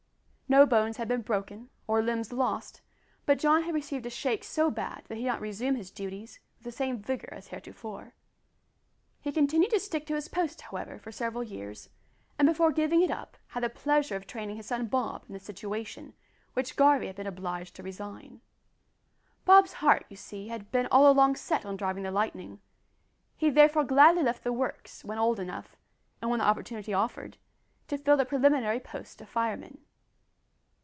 No bones had been broken, or limbs lost, but John had received a shake so bad that he did not resume his duties with the same vigour as heretofore. He continued to stick to his post, however, for several years, and, before giving it up, had the pleasure of training his son Bob in the situation which Garvie had been obliged to resign. Bob's heart you see, had been all along set on driving the Lightning; he therefore gladly left the "Works" when old enough, and when the opportunity offered, to fill the preliminary post of fireman.